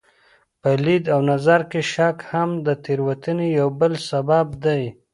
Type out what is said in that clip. په لید او نظر کې شک هم د تېروتنې یو بل سبب دی.